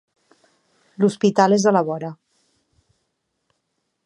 L'hospital és a la vora.